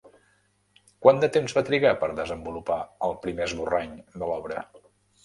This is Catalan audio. Quant de temps va trigar per desenvolupar el primer esborrany de l'obra?